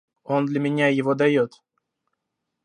Он для меня его дает.